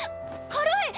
軽い！